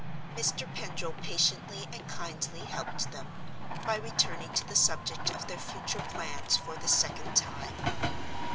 Mr. Pendril patiently and kindly helped them, by returning to the subject of their future plans for the second time.